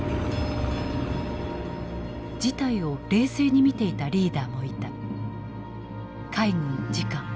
事態を冷静に見ていたリーダーもいた。